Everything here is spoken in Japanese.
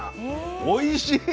おいしい！